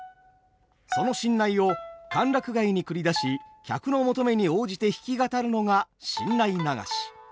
その新内を歓楽街に繰り出し客の求めに応じて弾き語るのが新内流し。